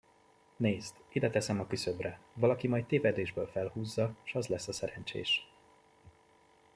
Nézd, ideteszem a küszöbre, valaki majd tévedésből felhúzza, s az lesz a szerencsés.